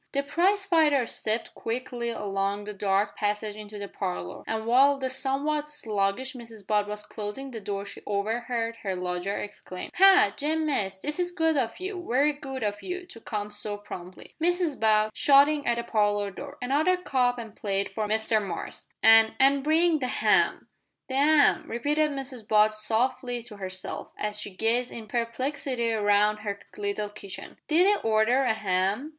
The prize fighter stepped quickly along the dark passage into the parlour, and while the somewhat sluggish Mrs Butt was closing the door she overheard her lodger exclaim "Ha! Jem Mace, this is good of you very good of you to come so promptly. Mrs Butt," shouting at the parlour door, "another cup and plate for Mr Mace, and and bring the ham!" "The 'am!" repeated Mrs Butt softly to herself, as she gazed in perplexity round her little kitchen, "did 'e order a 'am?"